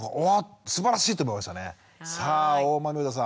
さあ大豆生田さん。